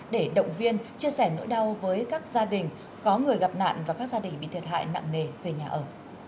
để động viên chia sẻ nỗi đau với các gia đình có người gặp nạn và các gia đình bị thiệt hại nặng nề về nhà ở